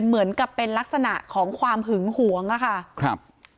เหมือนกับเป็นลักษณะของความหึงหวงอะค่ะครับ